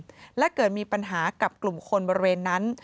และเกิดมีปัญหากับกลุ่มคนบริเวณนั้น